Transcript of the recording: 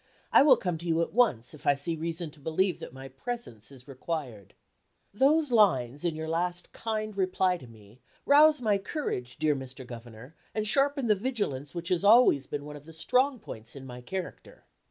I will come to you at once, if I see reason to believe that my presence is required." Those lines, in your last kind reply to me, rouse my courage, dear Mr. Governor, and sharpen the vigilance which has always been one of the strong points in my character.